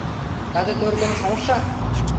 তাতে তোর কোনও সমস্যা?